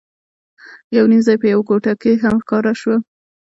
یو نیم ځای به یوه کوټه هم ښکاره شوه.